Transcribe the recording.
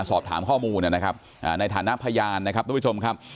สอบถามข้อมูลนะครับในฐานะพยานนะครับทุกผู้ชมครับ